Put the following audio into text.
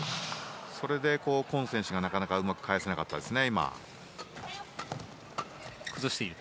それで、コン選手がなかなかうまく返せなかったですね。